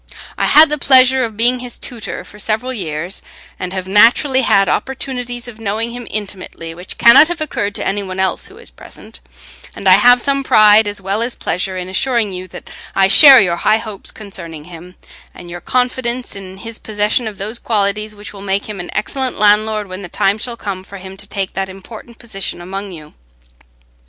I had the pleasure of being his tutor for several years, and have naturally had opportunities of knowing him intimately which cannot have occurred to any one else who is present; and I have some pride as well as pleasure in assuring you that I share your high hopes concerning him, and your confidence in his possession of those qualities which will make him an excellent landlord when the time shall come for him to take that important position among you.